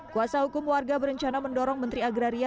kuasa hukum warga berencana mendorong menteri agraria